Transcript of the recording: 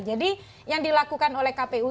jadi yang dilakukan oleh kpu